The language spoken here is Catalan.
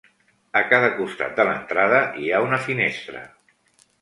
A cada costat de l'entrada hi ha una finestra.